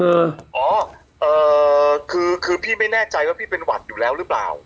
อ๋อเอ่อคือคือพี่ไม่แน่ใจว่าพี่เป็นหวัดอยู่แล้วหรือเปล่า